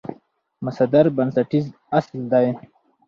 مصدر بنسټیز اصل دئ.